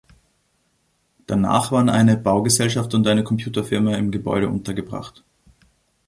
Danach waren eine Baugesellschaft und eine Computerfirma im Gebäude untergebracht.